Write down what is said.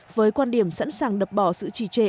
với quan điểm sẵn sàng đập bỏ sự trì trệ